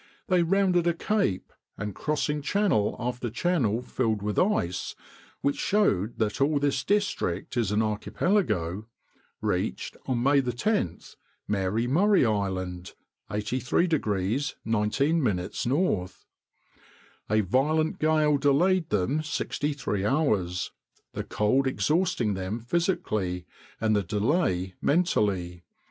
they rounded a cape, and crossing channel after channel filled with ice, which showed that all this district is an archipelago, reached on May 10th Mary Murray Island, 83° 19´ N. "A violent gale delayed them sixty three hours, the cold exhausting them physically and the delay mentally.